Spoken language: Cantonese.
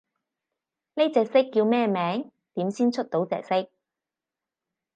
呢隻色叫咩名？點先出到隻色？